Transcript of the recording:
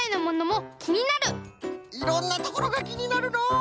いろんなところがきになるのう。